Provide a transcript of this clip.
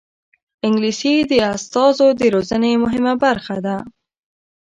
انګلیسي د استازو د روزنې مهمه برخه ده